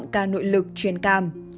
ca nội lực truyền cam